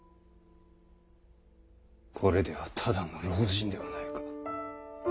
これではただの老人ではないか。